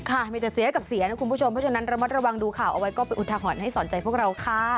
ค่ะมีแต่เสียกับเสียนะคุณผู้ชมเพราะฉะนั้นระมัดระวังดูข่าวเอาไว้ก็เป็นอุทหรณ์ให้สอนใจพวกเราค่ะ